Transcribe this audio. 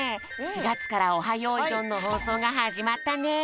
４がつから「オハ！よいどん」のほうそうがはじまったね！